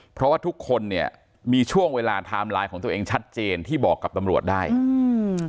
เพราะว่าทุกคนเนี่ยมีช่วงเวลาไทม์ไลน์ของตัวเองชัดเจนที่บอกกับตำรวจได้อืม